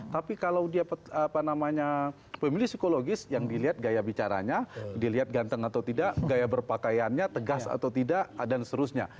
tapi kalau dia pemilih psikologis yang dilihat gaya bicaranya dilihat ganteng atau tidak gaya berpakaiannya tegas atau tidak dan seterusnya